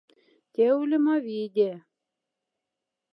Тя, улема, виде.